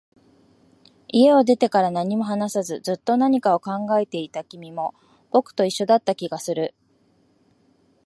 家を出てから、何も話さず、ずっと何かを考えていた君も、僕と一緒だった気がする